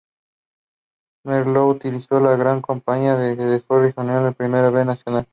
Merlo realizó una gran campaña y dejó al rojinegro en la Primera B Nacional.